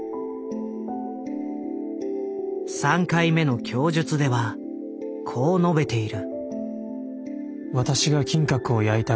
３回目の供述ではこう述べている。